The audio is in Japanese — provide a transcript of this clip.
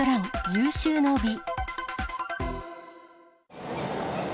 有終の美。